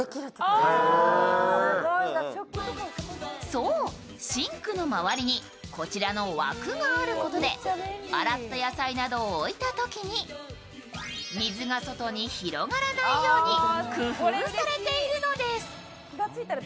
そう、シンクの周りにこちらの枠があることで洗った野菜などを置いたときに水が外に広がらないように工夫されているのです。